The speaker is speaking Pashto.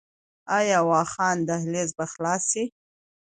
آیا واخان دهلیز به خلاص شي؟